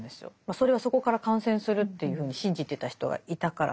それはそこから感染するっていうふうに信じてた人がいたからなんですけど。